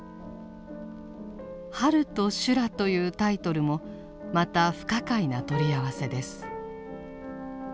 「春と修羅」というタイトルもまた不可解な取り合わせです。